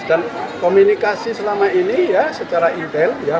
dan komunikasi selama ini ya secara intel ya